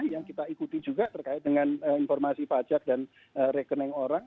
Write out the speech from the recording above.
yang kita ikuti juga terkait dengan informasi pajak dan rekening orang